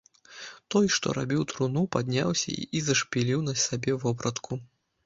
Той, што рабіў труну, падняўся і зашпіліў на сабе вопратку.